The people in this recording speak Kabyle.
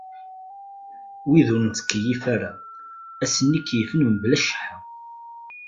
Wid ur nettkeyyif ara, ass-nni keyyfen mebla cceḥḥa.